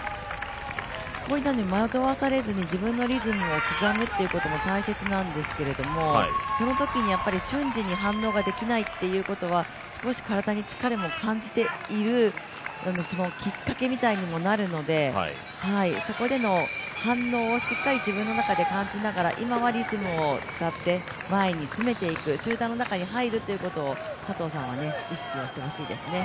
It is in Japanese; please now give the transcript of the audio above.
こういったものに惑わされずに自分のリズムを刻むということが大切なんですけれども、そのときにやっぱり瞬時に反応ができないっていうことは、少し体に疲れを感じているそのきっかけみたいにもなるので、そこでの反応をしっかり自分の中で感じながら、今はリズムを使って、前に詰めていく集団の中に入ることを佐藤さんは意識して欲しいです。